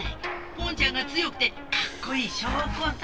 ポンちゃんが強くてかっこいいしょうこさ。